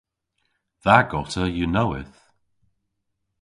Dha gota yw nowydh.